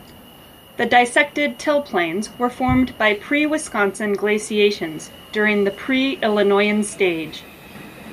The Dissected Till Plains were formed by pre-Wisconsin glaciations during the Pre-Illinoian Stage.